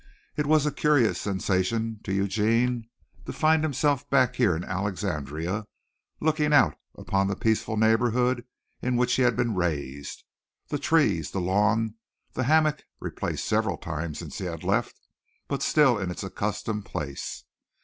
It was a curious sensation to Eugene to find himself back here in Alexandria looking out upon the peaceful neighborhood in which he had been raised, the trees, the lawn, the hammock replaced several times since he had left, but still in its accustomed place.